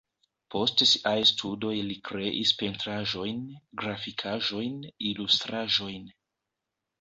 Post siaj studoj li kreis pentraĵojn, grafikaĵojn, ilustraĵojn.